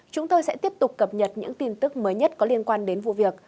chúng tôi sẽ tiếp tục cập nhật những tin tức mới nhất có liên quan đến vụ việc